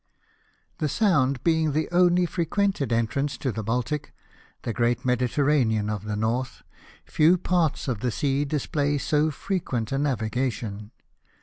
The Sound being the only frequented entrance to the Baltic, the great Mediterranean of the North, few parts of the sea display so frequent a navigation.